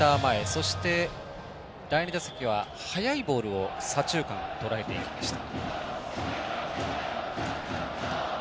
そして、第２打席は速いボールを左中間、とらえていきました。